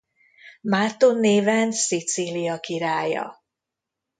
Márton néven Szicília királya.